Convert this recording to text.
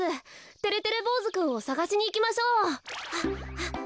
てれてれぼうずくんをさがしにいきましょう。